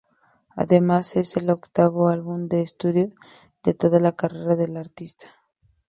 Además, es el octavo álbum de estudio de toda la carrera de la artista.